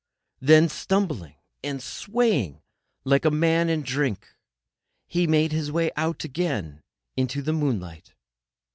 Then, stumbling, and swaying like a man in drink, he made his way out again into the moonlight.